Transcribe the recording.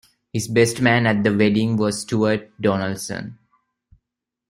His best man at the wedding was Stuart Donaldson.